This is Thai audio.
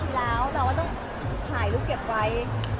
พี่เอ็มเค้าเป็นระบองโรงงานหรือเปลี่ยนไงครับ